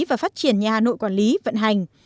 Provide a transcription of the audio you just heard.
và phát triển nhà hà nội quản lý vận hành